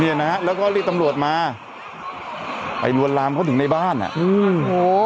เนี้ยนะฮะแล้วก็รีดตำลวดมาไปรวนรามเขาถึงในบ้านอ่ะอืมโห